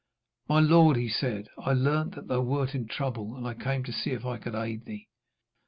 'My lord,' he said, 'I learned that thou wert in trouble, and came to see if I could aid thee.'